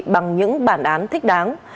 bằng những bản án thích đáng